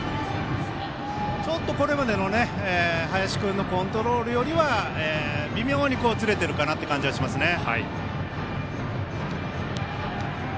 これまでの林君のコントロールよりかは微妙にずれているかなっていう感じはしますね。